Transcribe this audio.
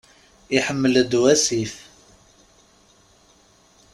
Iḥemmel-d wasif.